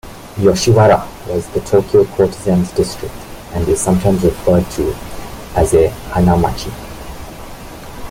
Yoshiwara was the Tokyo courtesans' district and is sometimes referred to as a "hanamachi".